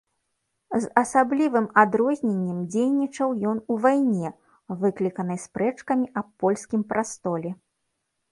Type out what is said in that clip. З асаблівым адрозненнем дзейнічаў ён у вайне, выкліканай спрэчкамі аб польскім прастоле.